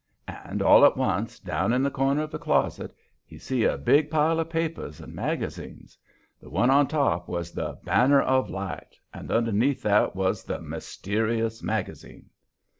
And, all at once, down in the corner of the closet, he see a big pile of papers and magazines. The one on top was the Banner of Light, and underneath that was the Mysterious Magazine.